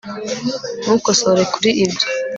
ntukosore kuri ibyo